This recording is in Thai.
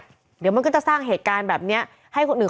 คนอื่นของครอบครัวถ้าไปทำก็เลยครอบครัวคนอื่น